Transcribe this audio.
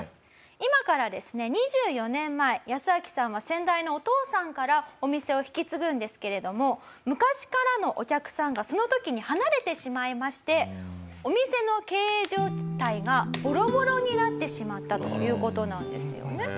今からですね２４年前ヤスアキさんは先代のお父さんからお店を引き継ぐんですけれども昔からのお客さんがその時に離れてしまいましてお店の経営状態がボロボロになってしまったという事なんですよね。